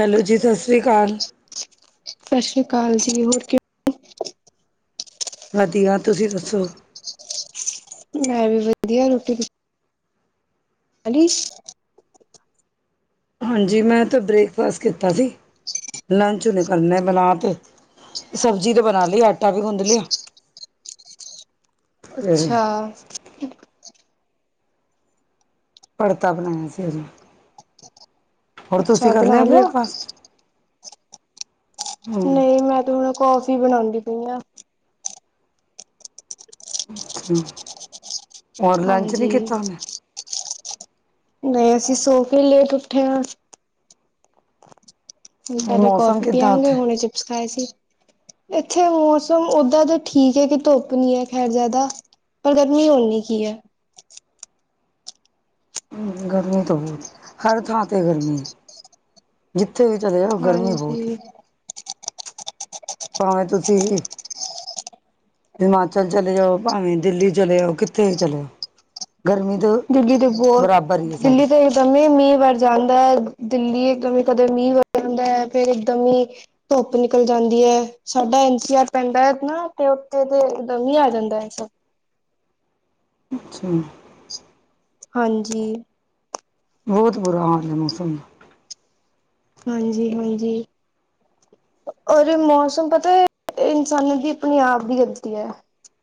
Hello ਜੀ, ਸਤਿ ਸ਼੍ਰੀ ਅਕਾਲ। ਸਤਿ ਸ਼੍ਰੀ ਅਕਾਲ ਜੀ, ਹੋਰ ਕਿਵੇਂ ਔ? ਵਧੀਆ, ਤੁਸੀਂ ਦੱਸੋ? ਮੈਂ ਵੀ ਵਧੀਆ ਰੋਟੀ [unintelligible] ਹਾਂਜੀ ਮੈਂਥ ਬ੍ਰੇਕਫਾਸਟ ਕੀਤਾ ਸੀ, ਲੰਚ ਨਿਕਲ ਮ ਬਣਾ ਤੇ ਸਬਜ਼ੀ ਤੇ ਬਣਾ ਲਈ ਆਟਾ ਵੀ ਗੁੰਦ ਲਿਆ। ਫਿਰ ਅੱਛਾ, ਪੜਤਾ ਬਣਾਇਆ ਸੀ ਉਹ ਹੋਰ ਅੱਛਾ ਤੁਸੀਂ ਕਰ ਬਣਾ ਲਿਆ ਬ੍ਰੇਕਫਾਸਟ? ਹੂੰ ਨਹੀਂ ਮੈਂ ਤੇ ਹੁਣ ਕੌਫੀ ਬਣਾਦੀ ਪਈ ਆ। ਰ ਲੰਚ ਨੀ ਹਾਂਜੀ ਕੀਤਾ ਉਹਨੇ, ਨਹੀਂ ਅਸੀਂ ਸੋਫੇ ਲੇਟ ਉੱਠੇ ਹਾਂ। ਕੇ ਮੌਸਮ ਕੌਫੀ ਕਿੱਦਾਂ ਪੀਿਆਗੇ ਉੱਥੇ? ਹੁਣੇ ਚਿਪਸ ਖਾਏ ਸੀ ਇੱਥੇ ਮੌਸਮ ਓਦਾਂ ਦਾ ਠੀਕ ਹੈ ਕਿ ਧੁੱਪ ਨੀ ਹੈ ਖੈਰ ਜ਼ਿਆਦਾ ਪਰ ਗਰਮੀ ਓਨ੍ਹੀ ਕੀ ਹੈ [inaudible] ਗਰਮੀ ਤਾਂ ਬਹੁਤ ਹਰ ਥਾਂ ਤੇਤੇ ਗਰਮੀ ਹੈ ਜਿੱ ਉੱਥੇ ਵੀ ਚਲੇ ਆ ਗਰਮੀ ਬਹੁਤ ਹਾਂਜੀ ਭਾਵੇਂ ਤੁਸੀਂ ਹਿਮਾਚਲ ਚਲੇ ਜਾਓ ਭਾਵੇਂ ਦਿੱਲੀ ਚਲੇ ਆਓ ਕਿੱਥੇ ਚਲੇ ਆਓ ਦਿੱਲੀ ਦੇ ਬੋਰ ਸਾਰੀ। ਦਿੱਲੀ ਤਾਂ ਇੱਕਦਮ ਮੀਂਹ ਵਾਰ ਜਾਂਦਾ ਹੈ ਦਿੱਲੀ ਇੱਕਦਮ ਕਦੇ ਮੀ ਦਾ ਫੇਰ ਇੱਕਦਮ ਹੀ ਧੁੱਪ ਨਿਕਲ ਜਾਂਦੀ ਹੈ ਸਾਡਾ ਐਨ ਸੀ ਆਰ ਪੈਂਦਾ ਨਾ ਤੇ ਤੇ ਉਦ ਵੀ ਆ ਜਾਂਦਾ ਸਭ ਅੱਛਾ ਹਾਂਜੀ ਬਹੁਤ ਬੁਰਾ ਹਾਲ ਹੈ ਮੌਸਮ ਹਾਂਜੀ ਹਾਂਜੀ ਔਰ ਮੌਸਮ ਪਤਾ ਹੈ ਇਨਸਾਨਾਂ ਦੀ ਆਪਣੇ ਆਪ ਦੀ ਗ਼ਲਤੀ ਹੈ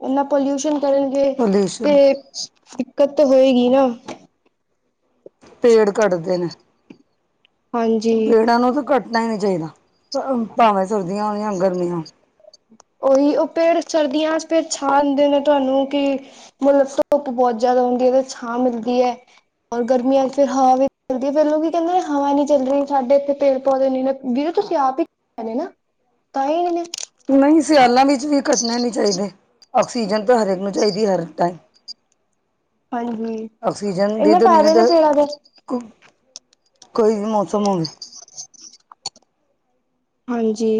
ਇੰਨਾ ਪੋਲਿਊਸ਼ਨ ਕਰਨਗੇ ਤੇ ਪੋਲਿਊਸ਼ਨ ਦਿੱਕਤ ਹੋਏਗੀ ਨਾ ਪੇੜ ਕੱਟਦੇ ਨੇ ਹਾਂਜੀ ਨਾ ਹੀ ਨਹੀਂੀ ਚਾਹੀਦਾ ਭਾਵੇਂ ਸਰਦੀਆਂ ਹੋ ਗਰਮੀਆਂ ਉਹੀ ਉਹ ਪੇੜ ਸਰਦੀਆਂ ਚ ਪੇੜ ਛਾ ਦਿੰਦੇ ਨੇ ਤੁਹਾਨੂੰ ਕਿ ਮਤਲਬ ਧੁੱਪ ਬਹੁਤ ਆਦਾ ਹੁੰਦੀ ਹੈ ਛਾਂ ਮਿਲਦੀ ਹੈ, ਔਰ ਗਰਮੀਆਂ ਚ ਫਿਰ ਹਵਾ ਵੀ ਚਲਦੀ ਹੈ ਫੇਰ ਲੋਕ ਕਹਿੰਦੇ ਨੇ ਹਵਾ ਨੀ ਚਲਦੀ। ਸਾਡੇ ਇੱਥੇ ਪੇੜ ਪੌਦੇ ਨੇ ਵੀਰੂ ਤੁਸੀਂ ਆਪ ਹੀ ਨੇ ਨਾ ਤਾਂ ਹੀ ਨ ਨੇ ਨਹੀਂ ਸਿਆਲਾਂ ਵਿੱਚ ਵੀ ਕੱਟਣੇ ਨੀ ਚਾਹੀਦੇ ਆਕਸੀਜਨ ਤਾਂ ਹਰੇਕ ਨੂੰ ਚਾਹੀਦੀ ਹਰ ਟਾਈਮ ਹਾਂਜੀ ਆਕਸੀਜਨ ਦੀ ਇੰਨੇ ਫਾਇਦੇ ਨੀਡ ਨੇ ਪੇੜਾਂ ਦੇ ਕੁ ਕਈ ਮੋਸਮ ਹਾਂਜੀ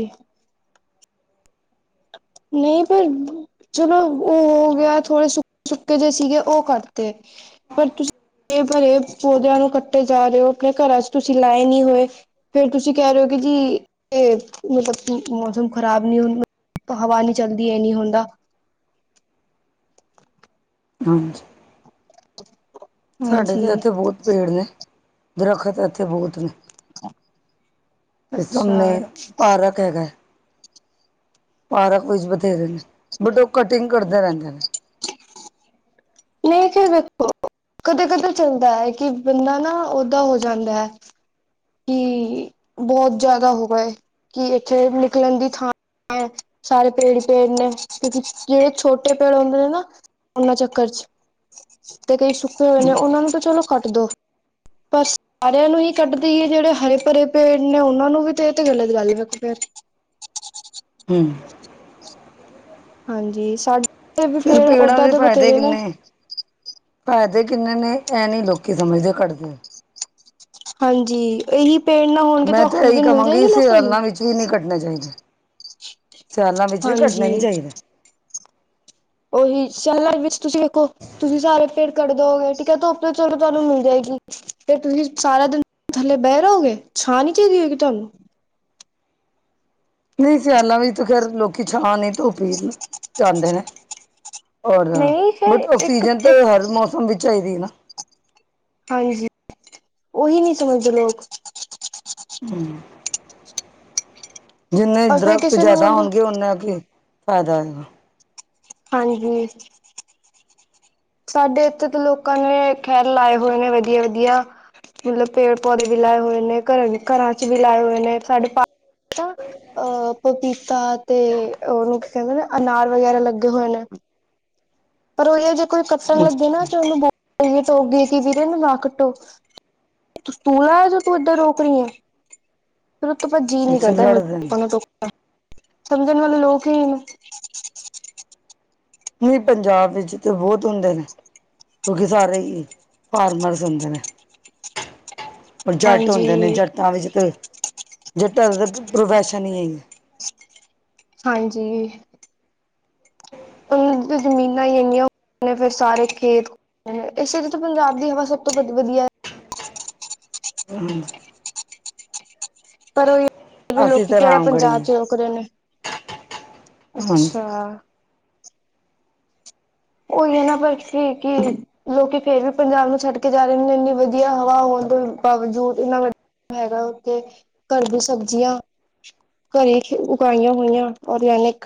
ਨਹੀਂ ਪਰ ਚਲੋ ਉਹ ਹੋ ਗਿਆ ਥੋੜੇ ਸੁੱਕੇ ਸੁੱਕੇ ਜਿ ਸੀਗੇ ਉਹ ਕਰਤੇ ਪਰ ਤੁਸੀਂ ਇਹ ਭਰੇ ਪੌਦਿਆਂ ਨੂੰ ਕੱਟੇ ਜਾ ਰਹੇ ਹੋ ਆਪਣੇ ਘਰਾਂ ਚ ਤੁਸੀਂ ਲਾਏ ਨਹੀਂੀ ਹੋਏ ਫੇਰ ਤੁਸੀਂ ਕਹਿ ਰਹੇ ਹੋ ਜੀ ਇਹ ਮਤਲਬ ਮੌਸਮ ਖ਼ਰਾਬ ਨਹੀਂ ਹਦਾ ਹਵਾ ਨੀ ਚਲਦੀ ਇਹਨੀ ਹੁੰਦਾ ਹਾਂਜੀ [inaudible] ਸਾਡੇ ਤਾਂ ਹਾਂਜੀ ਇੱਥੇ ਬਹੁਤ ਪੇੜ ਨੇ ਦਰਖਤ ਇੱਥੇ ਬਹੁਤ ਨੇ ਤੇ ਅੱਛਾ ਸਮਣੇ ਪਾਰਕ ਹੈਗੇ ਪਾਰ ਕੁਛ ਬਥੇਰੇ ਨੇ ਬਟ ਉਹ ਕਟਿੰਗ ਕਰਦੇ ਰਹਿੰਦੇ ਨੇ ਨਹੀਂਖ ਦੇਖੋ [unintelligible] ਕਦੇ ਕਦੇ ਚੱਲਦਾ ਹੈ ਕਿ ਬੰਦਾ ਨਾ ਓਦਾਂ ਹੋ ਜਾਂਦਾ ਹੈ ਕਿ ਬਹੁਤ ਜਿਆਦਾ ਹੋ ਗਏ ਕਿ ਇੱਥੇ ਨਿਕਲਣ ਦੀ ਥਾਂ ਹੈਂ ਸਾਰੇ ਪੇੜ ਹੀ ਪੇੜ ਨੇ ਕਿਉਂਕਿ ਜਿਹੜੇ ਛੋਟੇ ਪੇੜ ਹੁੰਦੇ ਨੇ ਨਾ ਉਹਨਾਂ ਚੱਕਰ ਚ ਤੇ ਕਈ ਸੁੱਕੇ ਹੋਏ ਨੇ ਉਹਨਾਂ ਨੂੰ ਤਾਂ ਚਲੋ ਕੱਟ ਦੋ ਪਰ ਸਾਰਿਆਂ ਨੂੰ ਹੀ ਕੱਟ ਤੇ ਜਿਹੜੇ ਹਰੇ ਭਰੇ ਪੇੜ ਨੇ ਉਹਨਾਂ ਨੂੰ ਵੀ ਤੇ ਇਹ ਤੇ ਗਲਤ ਗੱਲ ਹੀ ਵੱਖ ਪਿਆ ਹਮ [inaudible] ਹਾਂਜੀ ਸਾਡੇ ਵੀ ਫਿਰ ਪੇੜ ਪੇੜਾਂ ਓਦਾਂ ਦੇ ਫਾਇਦੇ ਬਥੇਰੇ ਨੇ ਕਿੰਨੇ ਫਾਇਦੇ ਕਿੰਨੇ ਨੇ ਇਹ ਨੀ ਲੋਕੀ ਸਮਝਦੇ ਘੱਟਦੇ ਹਾਂਜੀ ਇਹੀ ਪੇੜ ਨਾ ਹੋਣਗੇ ਤੇ ਮੈਂ ਤਾਂ ਇਹੀ ਆਕਸੀਜਨ ਮਿਲ ਕਹਾਂਗੀ ਜਾਏਗੀ ਲੋਕਾਂ ਨੂੰ ਸਿਆਲਾਂ ਵਿੱਚ ਵੀ ਨਹੀਂ ਕੱਟਣੇ ਚਾਹੀਦੇ ਸਿਆਲਾਂ ਵਿੱਚ ਵੀ ਕੱਢਣੇ ਨੀ ਚਾਹੀਦੀ ਉਓਹੀ ਸਹਿਲਾਂ ਵਿੱਚ ਤੁਸੀਂ ਵੇਖੋ ਤੁਸੀਂ ਸਾਰੇ ਫੇਰ ਕੱਢ ਦੋਗੇ ਠੀਕ ਹੈ ਧੁੱਪ ਤੇ ਚਲੋ ਤੁਹਾਨੂੰ ਮਿਲ ਜਾਏਗੀ ਫੇਰ ਤੁਸੀਂ ਸਾਰਾ ਦਿਨ ਥੱਲੇ ਬਹਿ ਰਹੋਗੇ ਛਾਂ ਨੀ ਚਾਹੀਦੀ ਹੋਗੀ ਤੁਹਾਨੂੰ। ਨਹੀਂ ਸਿਆਲਾਂ ਵਿੱਚ ਤੇ ਖੇਰ ਲੋਕੀ ਛਾਂ ਨਹੀਂ ਧੁਪੀ ਜਾਂਦੇ ਨੇ। ਔਰ ਨਹੀਂ ਫੇਰ ਬਟ ਇੱਕ ਆਕਸੀਜਨ ਤਾਂ ਇੱਕ ਹਰ ਮੌਸਮ ਵਿੱਚ ਚਾਹੀਦੀ ਨਾ। ਹਾਂਜੀ ਉਹੀ ਨੀ ਸਮਝਦੇ ਲੋਕ। ਜਿੰਨੇ ਔਰ ਫੇਰ ਦਰਖਤ ਕਿਸੇ ਨੂੰ ਜ਼ਿਆਦਾ ਬੋਲਦੇ ਹੋਣਗੇ ਉਨਾ ਕੀ ਫ਼ਾਇਦਾ ਹੋਏਗਾ। ਹਾਂਜੀ। ਸਾਡੇ ਇੱਥੇ ਤਾਂ ਲੋਕਾਂ ਨੇ ਖੈਰ ਲਾਏ ਹੋਏ ਨੇ ਵਧੀਆ ਵਧੀਆ। ਮਤਲਬ ਪੇੜ ਪੌਦੇ ਵੀ ਲਾਏ ਹੋਏ ਨੇ ਘਰ ਘਰਾਂ ਚ ਵੀ ਲਾਏ ਹੋਏ ਨੇ ਸਾਡੇ। ਅਹ ਪਪੀਤਾ ਤੇ ਉਹਨੂੰ। ਕਹਿੰਦੇ ਨੇ ਅਨਾਰ ਵਗੈਰਾ ਲੱਗੇ ਹੋਏ ਨੇ। ਪਰ ਉਹ ਜੇ ਕੋਈ ਕੱਟਣ ਲੱਗੇ ਨਾ ਅੱਛਾ ਤੇ ਉਹਨੂੰ ਬੋਲਏ ਤਾਂ ਗ ਕੀ ਵੀਰੇ ਇਹਨੂੰ ਨਾ ਕੱਟੋ। ਤੂੰ ਲਾਆ ਜੋ ਤੂੰ ਏਧਾ ਰੋਕਰੀ ਏ। ਫਿਰ ਉਹ ਤੋਂ ਜੀਅ ਨੀ ਅੱਛਾ ਕਰਦਾ ਲੜਦੇ ਨੇ ਰੋਕਣ ਤੋ। ਸਮਝਣ ਵਾਲੇ ਲੋਕ ਹੀ। ਨਹੀਂ ਪੰਜਾਬ ਵਿੱਚ ਤੇ ਬਹੁਤ ਹੁੰਦੇ ਨੇ ਕਿਉਂਕਿ ਸਾਰੇ ਹੀ। ਫਾਰਮਰਜ ਹੁੰਦੇ ਨੇ। ਪਰ ਜੱਟ ਹੁੰਦੇ ਨੇ ਹਾਂਜੀ ਜੱਟਾਂ ਵਿੱਚ ਜੱਟਾਂ ਦਾ ਪ੍ਰੋਫੈਸ਼ਨ ਹੀ ਹੈ। ਹਾਂਜੀ। ਉਹ ਜ਼ਮੀਨਾਂ ਆਈ ਹੈਗੀਆਂ। ਫਿਰ ਸਾਰੇ ਖੇਤ ਇਸ ਪੰਜਾਬ ਦੀ ਹਵਾ ਸਭ ਤੋਂ ਵ ਵਧੀਆ। ਹ। ਪਰ ਉਹ ਵੀ ਅਸੀਂ ਲੋਕੀ ਤਾਂ ਕਿਹੜਾ ਰਾਮਗੜੀ ਪੰਜਾਬ ਚ ਰੋਕ ਰਹੇ ਨੇ। ਹਾਂਜੀ ਅੱਛਾ ਉਈ ਹੈ ਨਾ ਪਰਸੀ ਕੀ ਲੋਕੀ ਫੇਰ ਵੀ ਪੰਜਾਬ ਨੂੰ ਛੱਡ ਕੇ ਜਾ ਰਹੇ ਨੇ ਇੰਨੀ ਵਧੀਆ ਹਵਾ ਹੋ। ਬਾਵਜੂਦ ਇੰਨਾ ਵ ਹੈਗਾ ਉੱਥੇ ਘਰ ਦੀ ਸਬਜ਼ੀਆਂ। ਘਰੇ ਉਗਾਈਆਂ ਹੋਈਆਂ ਔਰਗੈਨਿਕ।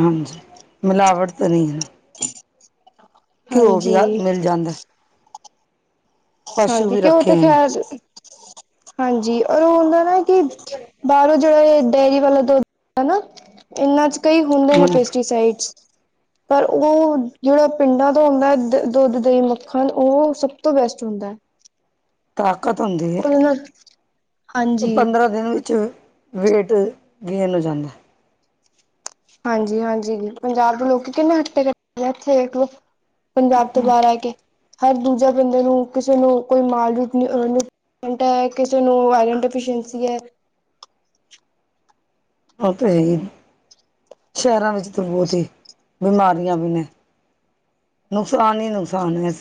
ਹਾਂਜੀ ਮਿਲਾਵਟ ਤਾਂ ਨਹੀਂ ਹੈ। ਘਿਓ ਵੀ ਹਾਂਜੀ ਮਿਲ ਜਾਂਦਾ। ਪਸ਼ੂ ਹਾਂਜੀ ਵੀ ਕਿਉਂ ਰੱਖੇ ਤੇ ਹੋਏ ਨੇ ਖੈਰ। ਹਾਂਜੀ ਔਰ ਉਹ ਹੁੰਦਾ ਨਾ ਕਿ ਬਾਹਰੋਂ ਜਿਹੜਾ ਇਹ ਡੇਅਰੀ ਵਾਲਾ ਦੁੱਧ। ਹਨਾ ਇਹਨਾਂ ਚ ਕਈ ਹੁੰਦੇ ਨੇ ਪੈਸਟੀਸਾਈਡਸ। ਹ [inaudible] [inaudible] ਉਹ ਜਿਹੜਾ ਪਿੰਡਾਂ ਤੋਂ ਆਉਂਦਾ ਦੁੱਧ ਤੇ ਮੱਖਣ ਉਹ ਸਭ ਤੋਂ ਬੇਸਟ ਚੂੜਾ। ਤਾਂ। ਉਹ ਨਾ। ਪੰਦਰਾਂ ਦਿਨ ਵਿੱਚ ਵੇਟ ਗੇਨ ਹੋ ਜਾਂਦਾ। ਹਾਂਜੀ ਹਾਂਜੀ ਜੀ ਪੰਜਾਬ ਦੇ ਲੋਕ ਕਿੰਨੇ ਹੱਟੇ ਕੱਟੇ। ਪੰਜਾਬ ਤੋਂ ਬਾਹਰ ਆਹ ਕੇ ਹਰ ਦੂਜਾ ਬੰਦੇ ਨੂੰ ਕਿਸੇ ਨੂੰ ਕੋਈ ਮਾਲ ਰੂਟ। ਕਿਸੇ ਨੂੰ ਵਾਇਰਲ ਡੈਫੀਸ਼ੀਐਂਸੀ। [unintelligible] ਉਹ ਤੇ ਹੈ। ਸ਼ਹਿਰਾਂ ਵਿੱਚ ਤਾਂ ਬਹੁਤ ਹੀ। ਬਿਮਾਰੀਆਂ ਵੀ ਨੇ ਨੁਕਸਾਨ ਹੀ ਨੁਕਸਾਨ ਹੈ ਇ।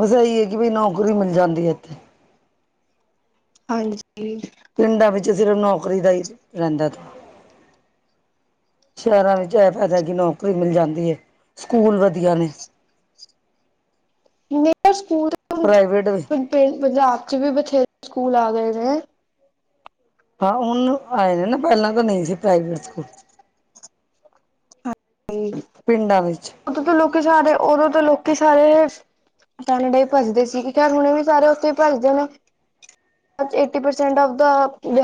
ਬਸ ਇਹੀ ਹੈ ਕਿ ਬਈ ਨੌਕਰੀ ਮਿਲ ਜਾਂਦੀ ਹੈ ਇੱਥੇ। ਹਾਂਜੀ। ਪਿੰਡਾਂ ਵਿੱਚ ਸਿਰਫ ਨੌਕਰੀ ਦਾ ਹੀ ਰਹਿੰਦਾ। ਸ਼ਹਿਰਾਂ ਵਿੱਚ ਇਹ ਫਾਇਦਾ ਕਿ ਨੌਕਰੀ ਮਿਲ ਜਾਂਦੀ ਹੈ। ਸਕੂਲ ਵਧੀਆ ਨੇ। ਨ। ਪ੍ਰਾਈਵੇਟ ਵੀ। ਪੰਜਾਬ ਚ ਵੀ ਬਥੇਰੇ ਸਕੂਲ ਆ ਗਏ ਨੇ। ਹਾਂ ਹੁਣ ਆਏ ਨੇ ਨਾ ਪਹਿਲਾਂ ਤੋਂ ਨਹੀਂ ਸੀ ਪ੍ਰਾਈਵੇਟ ਸਕੂਲ ਹ ਪਿੰਡਾਂ ਵਿੱਚ ਉਦ ਤਾਂ ਲੋਕ ਜਾ ਰਹੇ ਉਦੋਂ ਤਾਂ ਲੋਕ ਕਿ ਸਾਰੇ ਕੈਨੇਡਾ ਹੀ ਭੱਜਦੇ ਸੀ ਕ ਹੁਣੇ ਵੀ ਸਾਰੇ ਉੱਥੇ ਭੱਜਦੇ ਨੇ ਏਟੀ ਪਰਸੈਂਟ ਔਫ ਦਾ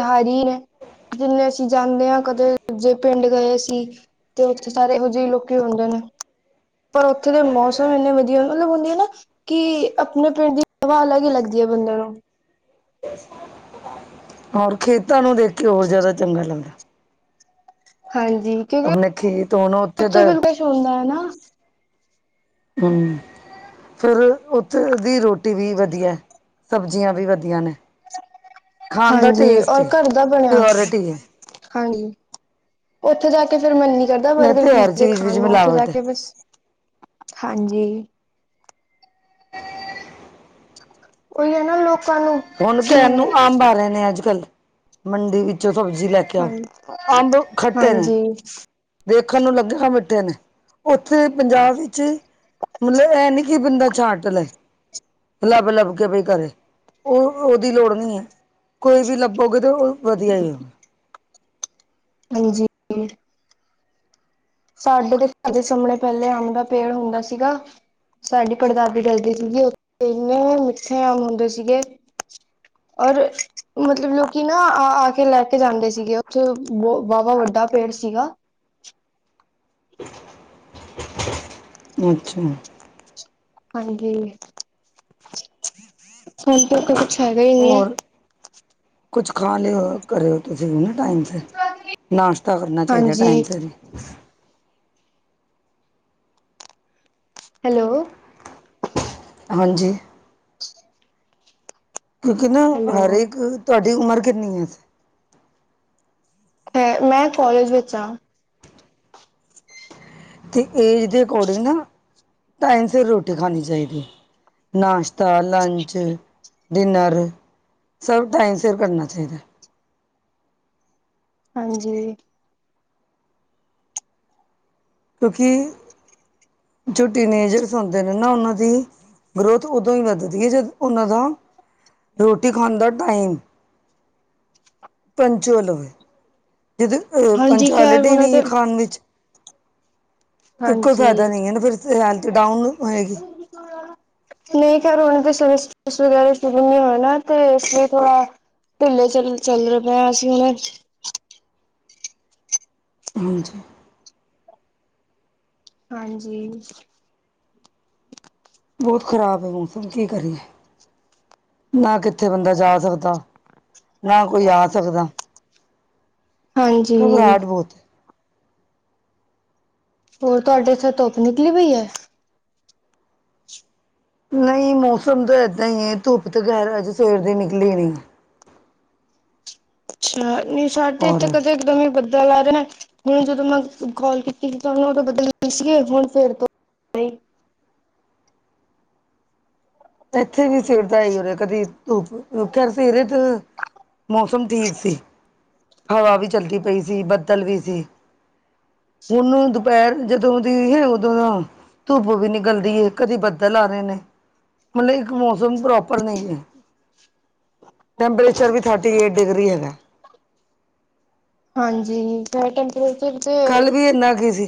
ਹਾਰੀ ਨੇ ਜਿੰਨੇ ਅਸੀਂ ਜਾਂਦੇ ਹਾਂ ਕਦੇ ਜੇ ਪਿੰਡ ਗਏ ਸੀ ਤੇੇ ਉਥੇ ਸਾਰੇ ਇਹੋ ਜਿਹੇ ਲੋਕੀ ਹੁੰਦੇ ਨੇ ਪਰ ਉੱਥੇ ਦੇ ਮੌਸਮ ਇੰਨੇ ਵਧੀਆ ਮਤਲਬ ਹੁੰਦੇ ਨਾ। ਕਿ ਆਪਣੇ ਪਿੰਡ ਦੀ ਹਵਾ ਅਲੱਗ ਹੀ ਲੱਗਦੀ ਏ ਬੰਦੇ ਨੂੰ ਹੋਰ ਖੇਤਾਂ ਨੂੰ ਦੇਖ ਕੇ ਹੋਰ ਜ਼ਿਆਦਾ ਚੰਗਾ ਲੱਗਦਾ। ਹਾਂਜੀ ਕਿਉਂਕਿ ਵੀ ਆਪਣੇ ਖੇਤ ਹੋਣ ਉੱਥੇ ਕੁਛ ਤਾਂ ਹੁੰਦਾ ਹੈ ਨਾ। ਹੂੰ ਫਿਰ ਉੱਥੇ ਦੀ ਰੋਟੀ ਵੀ ਵਧੀਆ ਸਬਜ਼ੀਆਂ ਵੀ ਵਧੀਆ ਨੇ। ਖਾਣ ਦਾ ਹਾਂਜੀ ਟੇਸਟ ਔਰ ਏ ਘਰ ਦਾ ਬਣਿਆ। ਪਿਓਰਿਟੀ ਹੈ ਹਾਂਜੀ ਉੱਥੇ ਜਾ ਕੇ ਫੇਰ ਮਨ ਨੀ ਕਰਦਾ ਨਹੀਂ ਬਰਗਰ ਤੇ ਹਰ ਪੀਜ਼ੇ ਚੀਜ਼ ਖਾਣ ਵਿੱਚ ਨੂੰ ਉੱਥੇ ਜਾ ਮਿਲਾਵਟ ਹੈ ਕੇ ਬਸ ਹਾਂਜੀ ਉਹੀ ਹੈ ਨਾ ਲੋਕ ਹੁਣ ਘੈਰਨੂੰ ਅੰਬ ਆ ਰਹੇ ਨੇ ਅੱਜ ਕੱਲ੍ਹ ਮੰਡੀ ਵਿੱਚੋਂ ਸਬਜ਼ੀ ਲੈ ਕੇ ਆਓ ਹਾਂਜੀ ਅੰਬ ਖੱਟੇ ਨੇ। ਹਾਂਜੀ-ਹਾਂਜੀ। ਦੇਖਣ ਨੂੰ ਲੱਗੇਗਾ ਮਿੱਠੇ ਨੇ ਉੱਥੇ ਪੰਜਾਬ ਵਿੱਚ ਮਤਲਬ ਇਹ ਨਹੀਂ ਕਿ ਬੰਦਾ ਛਾਂਟ ਲੈ ਲੱਭ-ਲੱਭ ਕੇ ਪਈ ਘਰੇ ਉਹ ਉਹਦੀ ਲੋੜ ਨਹੀਂ ਹੈ। ਕੋਈ ਵੀ ਲੱਭੋਗੇ ਤੇ ਉਹ ਵਧੀਆ ਹੀ ਹੋਵੇ। ਹਾਂਜੀ ਸਾਡੇ ਤੇ -ਤੇ ਸਾਹਮਣੇ ਪਹਿਲੇ ਅਮ ਦਾ ਪੇੜ ਹੁੰਦਾ ਸੀਗਾ। ਸਾਡੀ ਪੜਦਾਦੀ ਦਸਦੀ ਸੀਗੇ ਉਥੇ ਇੰਨੇ ਮਿੱਠੇ ਅਮ ਹੁੰਦੇ ਸੀਗੇ। ਔਰ ਮਤਲਬ ਲੋਕੀ ਨਾ ਆ -ਆ ਕੇ ਲੈ ਕੇ ਜਾਂਦੇ ਸੀਗੇ ਉੱਥੇ ਵਾਵਾ ਵੱਡਾ ਪੇੜ ਸੀਗਾ। ਅੱਛਾ ਹਾਂਜੀ ਹੁਣ ਤ ਤੇ ਕੁਛ ਹੈਗਾ ਹੀ ਨਹੀਂ ਹੈ। ਹੋਰ ਕੁਛ ਖਾ ਲਿਓ ਕਰੇ ਹੋ ਤੁਸੀਂ ਹੁਣ ਟਾਈਮ ਸਿਰ ਨਾਸ਼ਤਾ ਕਰਨਾ ਚਾਹੀਦਾ ਹਾਂਜੀ ਟਾਈਮ ਸਿਰ ਹੈਲੋ ਹਾਂਜੀ [inaudible] ਕਿਉਂਕਿ ਨਾ ਹਰ ਹੈਲੋ-ਹੈਲੋ ਇੱਕ ਤੁਹਾਡੀ ਉਮਰ ਕਿੰਨੀ ਐ। ਅ ਮੈਂ ਕਾਲਜ ਵਿੱਚ ਹਾਂ। ਅਤੇ ਏਜ ਦੇ ਅਕੋਡਿੰਗ ਨਾ ਟਾਈਮ ਸਿਰ ਰੋਟੀ ਖਾਣੀ ਚਾਹੀਦੀ ਨਾਸ਼ਤਾ ਆ ਲੰਚ ਡਿਨਰ ਸਭ ਟਾਈਮ ਸਿਰ ਕਰਨਾ ਚਾਹੀਦਾ। ਹਾਂਜੀ ਕਿਉਂਕਿ ਜੋ ਟੀਨੇਜਰਸੌ ਹੁੰਦੇ ਨੇ ਨਾ ਉਹਨਾਂ ਦੀ ਗਰੋਥ ਉਦੋਂ ਹੀ ਵੱਧਦੀ ਹੈ ਜਦ ਉਹਨਾਂ ਦਾ ਰੋਟੀ ਖਾਣ ਦਾ ਟਾਈਮ ਪੰਚੋਲਵੇ ਜਦੋਂ ਅਹ ਖੈਰ ਪੰਚੋਲਟੀ ਹੀ ਹੁਣ ਨਹੀਂ ਤੇ ਆ ਖਾਣ ਵਿੱਚ ਤੇ ਕੋਈ ਫਾਇਦਾ ਹਾਂਜੀ ਨਹੀਂ ਹੈ ਨਾ ਫਿਰ ਤਾ ਹੇਲਤ ਡਾਊਨ ਹੋਏਗੀ। ਨਹੀਂ ਖੇਰ ਹੁਣ ਤੇ ਸ ਵਗੈਰਾ ਸ਼ੁਰੂ ਨ ਹੋਣਾ ਤੇ ਇਸ ਲਈ ਥੋੜਾ ਢਲੇ ਚੱਲ-ਚੱਲ ਰਹੇ ਪਏ ਅਸੀਂ ਹੁਣ ਹਾਂਜੀ ਹਾਂਜੀ ਬਹੁਤ ਖਰਾਬ ਹੈ ਮੌਸਮ ਕੀ ਕਰੀਏ। ਨਾ ਕਿੱਥੇ ਬੰਦਾ ਜਾ ਸਕਦਾ ਨਾ ਕੋਈ ਆ ਸਕਦਾ। ਹਾਂਜੀ ਘਬਰਾਹਟ ਬਹੁਤ ਹੋਰ ਤੁਹਾਡੇ ਇੱਥੇ ਧੁੱਪ ਨਿਕਲੀ ਪਈ ਹੈ। ਨਹੀਂ ਮੌਸਮ ਤਾਂ ਇਦ, ਅਸੀ ਧੁੱਪ ਤੇ ਗੈਰ ਅਜ ਸਵੇਰ ਦੀ ਨਿਕਲੀ ਨੀ, ਅੱਛਾ ਨੀ ਸਾਡੇ ਇੱਥੇ ਕਦੇ ਇਕਦਮ ਹੀ। ਬੰਦਾ ਲਾ ਦੇਣਾ ਹੁਣ ਜਦੋਂ ਮੈਂ ਕਾਲ ਕੀਤੀ ਸੀ ਤਾਂ ਉਹ ਉਹਦੋਂ ਬਦਲ ਗੇ ਸੀਗੇ ਹੁਣ ਫੇਰ ਤੋਂ, ਵੀ [unintelligible] ਇੱਥੇ ਵੀ ਸਿਰ ਤਾਂ ਹੀ ਹੋ ਰਿਹਾ ਕਦੀ ਧੁੱਪ ਖਰ ਸਰੇ ਤੇ, ਮੌਸਮ ਠੀਕ ਸੀ ਹਵਾ ਵੀ ਚੱਲਦੀ ਪਈ ਸੀ ਬੱਦਲ ਵੀ ਸੀ। ਹੁਣ ਦੁਪਹਿਰ ਜਦੋਂ ਦੀ ਹੈ ਉਦੋਂ ਦਾ, ਧੁੱਪ ਵੀ ਨਿਕਲਦੀ ਏ ਕਦੀ ਬੱਦਲ ਆ ਰਹੇ ਨੇ, ਮਤਲਬ ਇੱਕ ਮੌਸਮ ਪ੍ਰੋਪਰ ਨਹੀਂ, ਟੈਂਪਰੇਚਰ ਵੀ ਥਰਟੀ ਏਟ ਡਿਗਰੀ ਹੈਗਾ। ਹਾਂਜੀ, ਸ਼ ਟੈਂਪਰੇਚਰ ਤੇ ਕੱਲ ਵੀ ਇੰਨਾ ਕੀ ਸੀ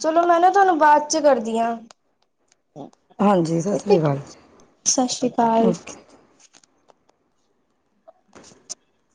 ਚਲੋ ਮੈਂ ਨਾ ਤੁਹਾਨੂੰ ਬਾਅਦ ਚ ਕਰਦੀ ਹਾਂ। ਹਾਂਜੀ ਸ੍ਰੀ ਸਤਿ ਅਕਾਲ ਸ੍ਰੀ ਜੀ ਅਕਾਲ ਓਕੇ [unintelligible]